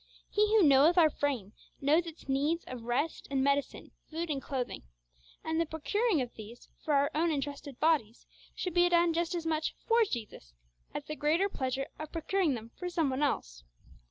He who knoweth our frame, knows its needs of rest and medicine, food and clothing; and the procuring of these for our own entrusted bodies should be done just as much 'for Jesus' as the greater pleasure of procuring them for some one else.